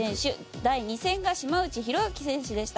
第２戦が島内宏明選手でした。